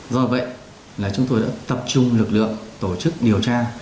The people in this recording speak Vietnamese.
do vậy là chúng tôi đã tập trung lực lượng tổ chức điều tra